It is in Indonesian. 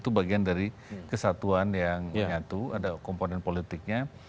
itu bagian dari kesatuan yang nyatu ada komponen politiknya